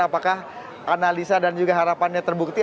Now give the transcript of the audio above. apakah analisa dan juga harapannya terbukti